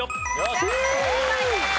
正解です。